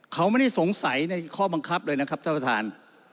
เขาไม่ได้สงสัยในข้อบังคับเลยนะครับท่านประธาน